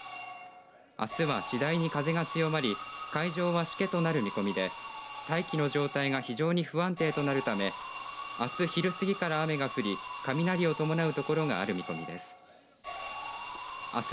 あすは次第に風が強まり海上は、しけとなる見込みで大気の状態が非常に不安定となるため、あす昼過ぎから雨が降り雷を伴う所がある見込みです。